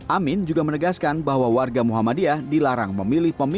amin juga menegaskan bahwa warga muhammadiyah dilarang memilih pemimpin